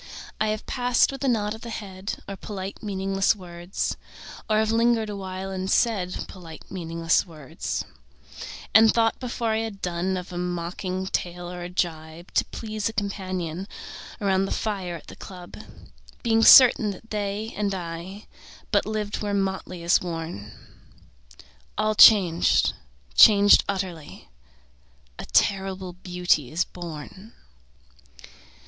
I have passed with a nod of the head Or polite meaningless words, Or have lingered awhile and said Polite meaningless words, And thought before I had done Of a mocking tale or a gibe To please a companion Around the fire at the club, Being certain that they and I But lived where motley is worn: All changed, changed utterly: A terrible beauty is born.